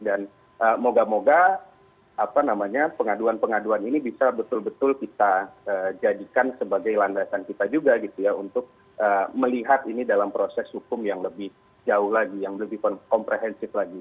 dan semoga semoga pengaduan pengaduan ini bisa betul betul kita jadikan sebagai landasan kita juga gitu ya untuk melihat ini dalam proses hukum yang lebih jauh lagi yang lebih komprehensif lagi